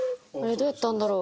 どうやったんだろう？